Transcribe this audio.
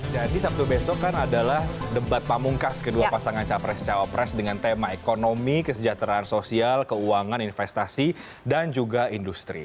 jadi sabtu besok kan adalah debat pamungkas kedua pasangan capres cawapres dengan tema ekonomi kesejahteraan sosial keuangan investasi dan juga industri